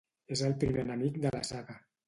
És el primer enemic de la saga.